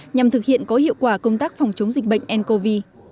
nhằm thực hiện có hiệu quả công tác phòng chống dịch bệnh ncov